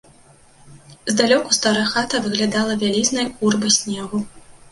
Здалёку старая хата выглядала вялізнай гурбай снегу.